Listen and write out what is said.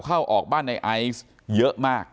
เข้าออกบ้านในไอซ์เยอะมาก